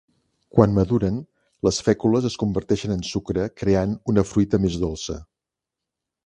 Quan maduren, les fècules es converteixen en sucre creant una fruita més dolça.